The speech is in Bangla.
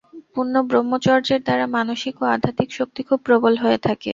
পূর্ণ ব্রহ্মচর্যের দ্বারা মানসিক ও আধ্যাত্মিক শক্তি খুব প্রবল হয়ে থাকে।